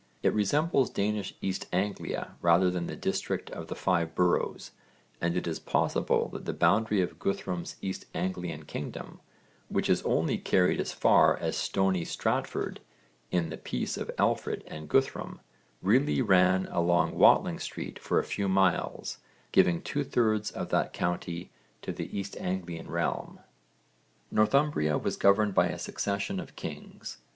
It resembles Danish East Anglia rather than the district of the Five Boroughs and it is possible that the boundary of Guthrum's East Anglian kingdom, which is only carried as far as Stony Stratford in the peace of Alfred and Guthrum, really ran along Watling Street for a few miles, giving two thirds of that county to the East Anglian realm. Northumbria was governed by a succession of kings.